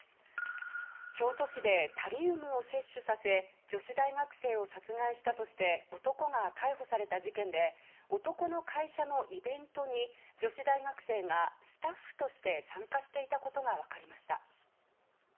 京都市でタリウムを摂取させ女子大学生を殺害したとして男が逮捕された事件で男の会社のイベントに女子大学生がスタッフとして参加していたことが分かりました。